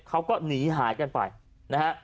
เขาก็หนีหายกันไปนะฮะ